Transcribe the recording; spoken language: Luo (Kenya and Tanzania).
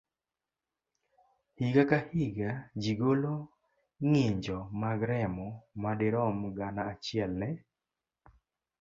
Higa ka higa, ji golo ng'injo mag remo madirom gana achiel ne